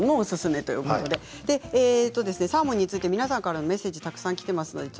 サーモンについて皆さんからメッセージたくさんきています。